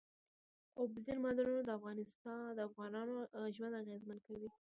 اوبزین معدنونه د افغانانو ژوند اغېزمن کوي.